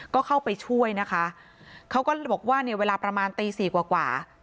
ก็เข้าไปช่วยนะคะเขาก็บอกว่าเนี่ยเวลาประมาณตีสี่กว่ากว่า